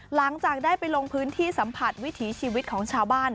หลังจากได้ไปลงพื้นที่สัมผัสวิถีชีวิตของชาวบ้าน